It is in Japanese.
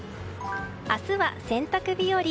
明日は洗濯日和。